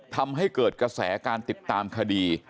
ทำให้เกิดกระแสการติดตามคดี